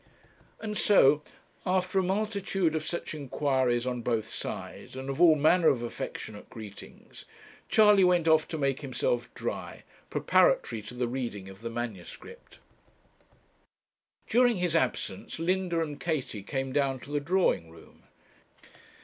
And so, after a multitude of such inquiries on both sides, and of all manner of affectionate greetings, Charley went off to make himself dry, preparatory to the reading of the manuscript. During his absence, Linda and Katie came down to the drawing room.